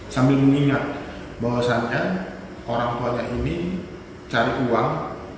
sambil mengingat bahwasannya orang tuanya ini cari uang